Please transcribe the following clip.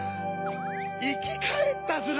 いきかえったヅラ。